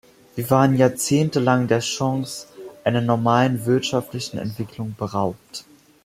Wir waren jahrzehntelang der Chance einer normalen wirtschaftlichen Entwicklung beraubt.